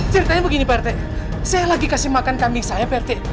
ceritanya begini pak rt saya lagi kasih makan kambing saya pak rt